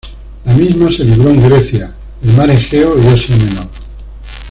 La misma se libró en Grecia, el mar Egeo y Asia Menor.